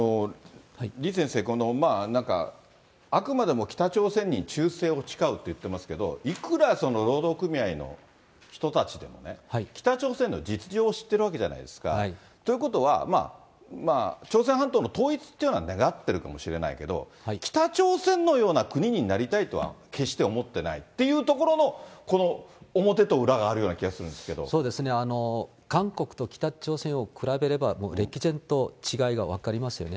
李先生、なんかあくまでも北朝鮮に忠誠を誓うっていってますけど、いくら労働組合の人たちでもね、北朝鮮の実情を知ってるわけじゃないですか、ということは、朝鮮半島の統一っていうのは願っているかもしれないけれども、北朝鮮のような国になりたいとは、決して思ってないっていうところの、この表と裏があるような気がするんですそうですね、韓国と北朝鮮を比べれば、もう歴然と違いが分かりますよね。